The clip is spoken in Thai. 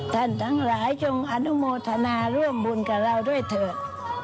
ทั้งหลายจงอนุโมทนาร่วมบุญกับเราด้วยเถอะ